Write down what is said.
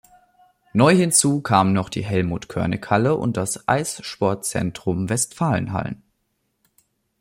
Neu hinzu kamen noch die Helmut-Körnig-Halle und das Eissportzentrum Westfalenhallen.